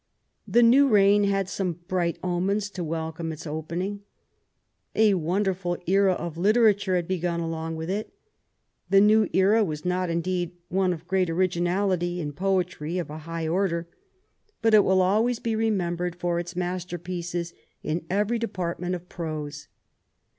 The new reign had some bright omens to welcome its opening. A wonderful era of literature had begun along with it. The new era was not, indeed, one of great orig inality in poetry of a high order, but it will always be 30 WHAT THE QtJEEN CAME TO— AT HOME remembered for its masterpieces in every department of prose.